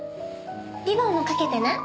リボンもかけてね。